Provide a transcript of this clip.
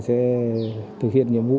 sẽ thực hiện nhiệm vụ